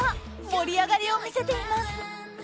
盛り上がりを見せています。